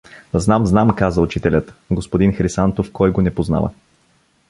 — Знам, знам — каза учителят, — господин Хрисантов кой го не познава.